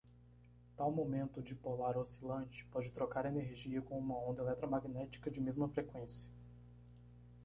Tal momento dipolar oscilante pode trocar energia com uma onda eletromagnética de mesma freqüência.